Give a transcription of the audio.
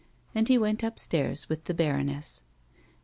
And he went upstairs with the bai'oness.